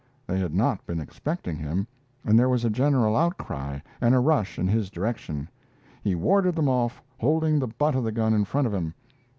They had not been expecting him, and there was a general outcry, and a rush in his direction. He warded them off, holding the butt of the gun in front of him.